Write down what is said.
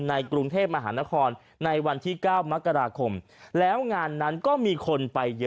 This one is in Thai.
ในกรุงเทพมหานครในวันที่๙น